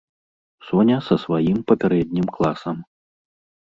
Соня са сваім папярэднім класам.